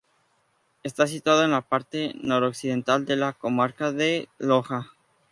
Está situada en la parte noroccidental de la comarca de Loja.